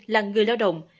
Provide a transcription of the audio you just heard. là người lao động